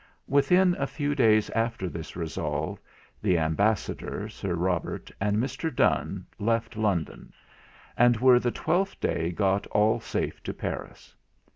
Within a few days after this resolve, the Ambassador, Sir Robert, and Mr. Donne, left London; and were the twelfth day got all safe to Paris.